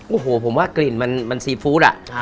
โอ้โหผมว่ากลิ่นมันซีฟู้ดอะ